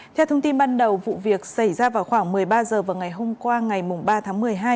theo thông tin ban đầu vụ việc xảy ra vào khoảng một mươi ba h vào ngày hôm qua ngày ba tháng một mươi hai